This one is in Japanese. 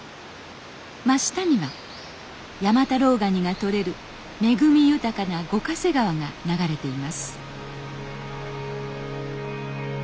真下には山太郎ガニがとれる恵み豊かな五ヶ瀬川が流れています